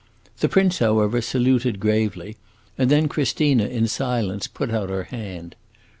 The prince, however, saluted gravely, and then Christina, in silence, put out her hand.